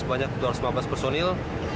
banyak dua ratus lima belas personel